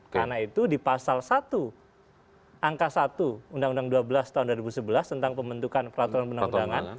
karena itu di pasal satu angka satu undang undang dua belas tahun dua ribu sebelas tentang pembentukan peraturan undang undangan